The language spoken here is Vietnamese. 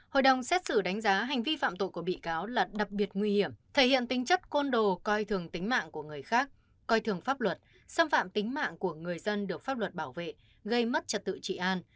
hội đồng xét xử đánh giá hành vi phạm tội của bị cáo là đặc biệt nguy hiểm thể hiện tính chất côn đồ coi thường tính mạng của người khác coi thường pháp luật xâm phạm tính mạng của người dân được pháp luật bảo vệ gây mất trật tự trị an